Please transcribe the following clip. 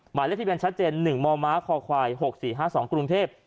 หมายเลขที่เป็นชัดเจนหนึ่งมมคควายหกสี่ห้าสองกรุงเทพ